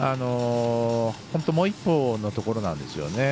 本当、もう一歩のところなんですよね。